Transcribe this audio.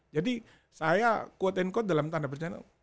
jadi saya quote and quote dalam tanda percaya